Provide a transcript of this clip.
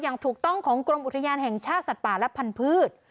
อย่างถูกต้องของกรมอุทยานแห่งชาติสัตว์ป่าและพันธุ์